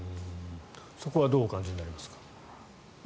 そこはどうお感じになりますか。